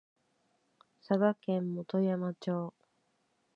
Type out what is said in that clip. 佐賀県基山町